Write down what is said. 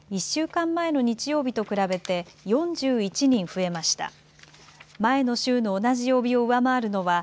１週間前の日曜日と比べて４１人増えました。